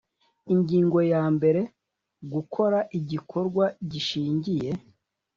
Ingingo ya mbere Gukora igikorwa gishingiye